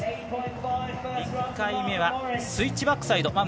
１回目はスイッチバックサイド。